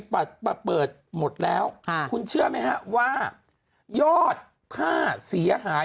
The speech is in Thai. ปรับปรับเปิดหมดแล้วค่ะคุณเชื่อไหมฮะว่ายอดค่าเสียหาย